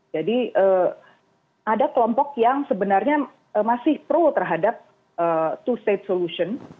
jadi ada kelompok yang sebenarnya masih pro terhadap two state solution